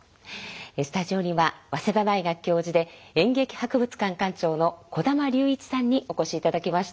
スタジオには早稲田大学教授で演劇博物館館長の児玉竜一さんにお越しいただきました。